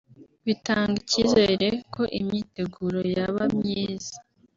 bitanga icyizere ko imyiteguro yaba myiza